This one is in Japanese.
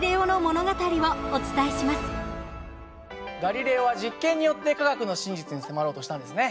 ガリレオは実験によって科学の真実に迫ろうとしたんですね。